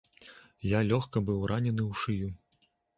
Я лёгка быў ранены ў шыю.